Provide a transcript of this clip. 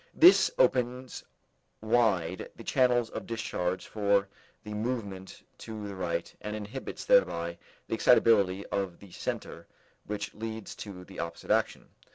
This opens wide the channels of discharge for the movement to the right and inhibits thereby the excitability of the center which leads to the opposite action.